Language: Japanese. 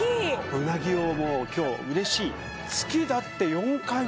うなぎをもう今日うれしいそんなに？